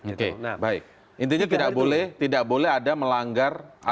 oke baik intinya tidak boleh ada melanggar aturan perundangan ya